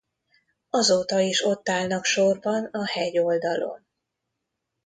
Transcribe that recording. Azóta is ott állnak sorban a hegyoldalon.